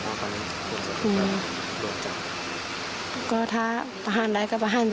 ก็ถ้าประหารไรก็ประหารไปเลย